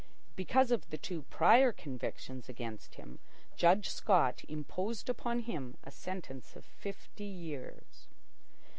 Because of the two prior convictions against him, Judge Scott imposed upon him a sentence of fifty years.